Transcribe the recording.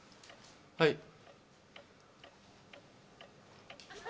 はい。